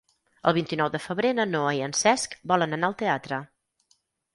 El vint-i-nou de febrer na Noa i en Cesc volen anar al teatre.